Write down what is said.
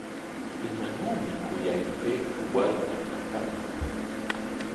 ¿Imanawmi kuyanqayki warmi karqan?